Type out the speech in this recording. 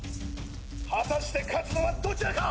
果たして勝つのはどちらか！